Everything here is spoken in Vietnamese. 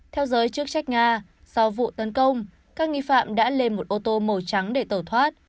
theo giới chức trách nga sau vụ tấn công các nghi phạm đã lên một ô tô màu trắng để tẩu thoát